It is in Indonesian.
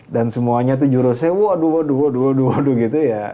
dan semuanya tuh jurusnya waduh waduh waduh gitu ya